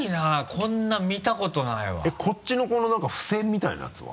こんな見たことないわこっちのこの何か付箋みたいなやつは？